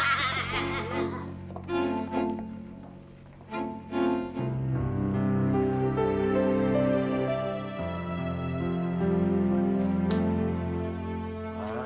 eh saya duluan